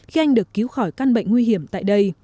khi anh được cứu khỏi căn bệnh nguy hiểm tại đây